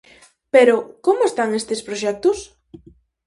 Pero, como están estes proxectos?